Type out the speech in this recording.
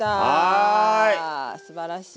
すばらしい。